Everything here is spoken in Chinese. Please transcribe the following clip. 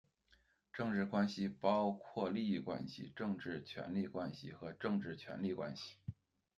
政治关系包括利益关系、政治权力关系和政治权利关系。